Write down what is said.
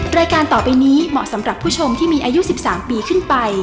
รายการต่อไปนี้เหมาะสำหรับผู้ชมที่มีอายุ๑๓ปีขึ้นไป